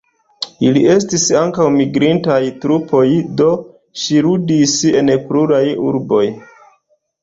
Ili estis ankaŭ migrantaj trupoj, do ŝi ludis en pluraj urboj.